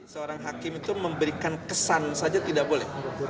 seorang hakim itu memberikan kesan saja tidak boleh